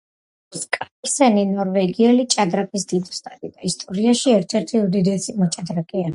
მაგნუს კარლსენი ნორვეგიელი ჭადრაკის დიდოსტატი და ისტორიაში ერთ-ერთი უდიდესი მოჭადრაკეა